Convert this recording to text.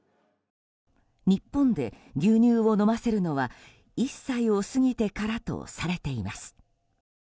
日本で牛乳を飲ませるのは１歳を過ぎてからとされています。